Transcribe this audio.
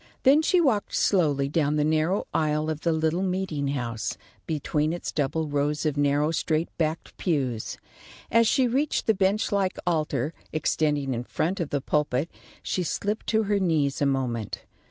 Then she walked slowly down the narrow aisle of the little meeting house, between its double rows of narrow straight backed pews. As she reached the bench like altar, extending in front of the pulpit, she slipped to her knees a moment.